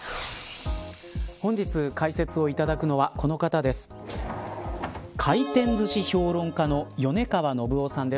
本日、解説をいただくのはこの方です。